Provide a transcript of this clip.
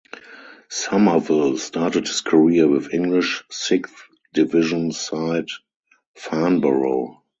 Somerville started his career with English sixth division side Farnborough.